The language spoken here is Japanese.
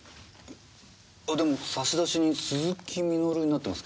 あでも差出人「鈴木実」になってますけど。